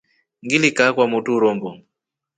Ngilinda kaa kwa mwotru rombo.